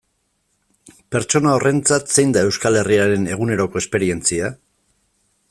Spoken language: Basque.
Pertsona horrentzat zein da Euskal Herriaren eguneroko esperientzia?